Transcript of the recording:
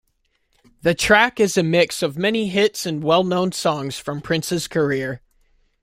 The track is a mix of many hits and well-known songs from Prince's career.